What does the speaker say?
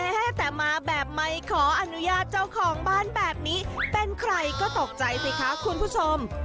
แต่มาแบบไม่ขออนุญาตเจ้าของบ้านแบบนี้เป็นใครก็ตกใจสิคะคุณผู้ชม